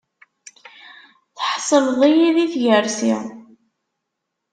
Tḥesleḍ-iyi di tgersi.